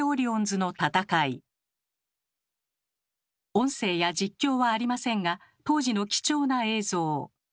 音声や実況はありませんが当時の貴重な映像。